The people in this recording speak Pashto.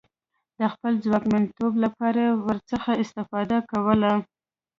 د خپل ځواکمنتوب لپاره یې ورڅخه استفاده کوله.